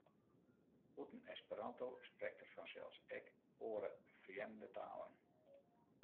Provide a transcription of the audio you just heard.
Bûten Esperanto sprekt er fansels ek oare frjemde talen.